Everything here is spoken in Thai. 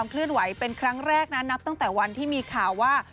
เคลื่อนไหวเป็นครั้งแรกนะนับตั้งแต่วันที่มีข่าวว่า